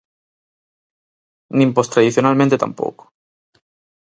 Nin postradicionalmente tampouco.